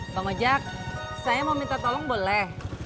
bang ojek saya mau minta tolong boleh